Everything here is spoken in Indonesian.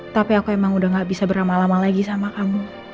tapi aku emang udah gak bisa berlama lama lagi sama kamu